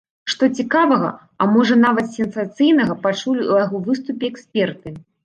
Што цікавага, а можа, нават сенсацыйнага пачулі ў яго выступе эксперты?